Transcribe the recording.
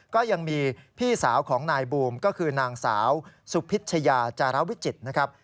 ก็ยังมีพี่สาวของนายบูมก็คือนางสาวสุพิชยาจารวิจิตรนะครับ